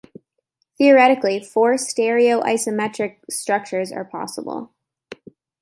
Theoretically, four stereoisomeric structures are possible.